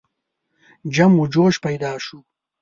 جم و جوش پیدا شو.